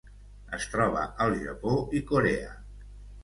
Es troba al Japó i Corea.